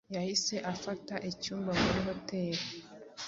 yahise afata icyumba muri Hotel